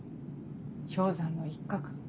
氷山の一角。